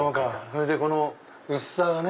それでこの薄さがね。